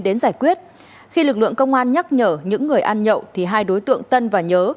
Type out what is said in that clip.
đến giải quyết khi lực lượng công an nhắc nhở những người ăn nhậu thì hai đối tượng tân và nhớ